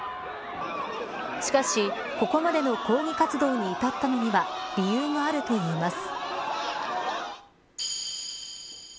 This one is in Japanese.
しかし、ここまでの抗議活動に至ったのには理由があるといいます。